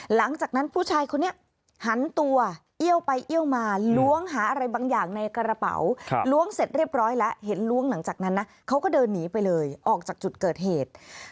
หลังจากนั้นผู้ชายคนนี้หันตัวเอี้ยวไปเอี้ยวมาล้วงหาอะไรบางอย่างในกระเป๋าล้วงเสร็จเรียบร้อยแล้วเห็นล้วงหลังจากนั้นนะเขาก็เดินหนีไปเลยออกจากจุดเกิดเหตุ